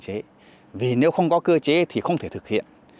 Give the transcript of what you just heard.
để làm sao chúng ta có thể phát triển hành viện hành quốc hơn